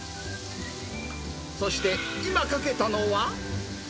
そして、今かけたのは。